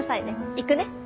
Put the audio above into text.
行くね。